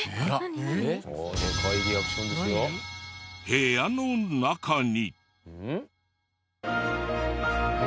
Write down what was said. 部屋の中に。